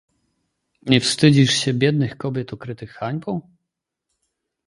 "nie wstydzisz się biednych kobiet okrytych hańbą?..."